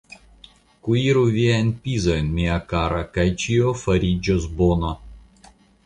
Kuiru viajn pizojn, mia kara, kaj ĉio fariĝos bona!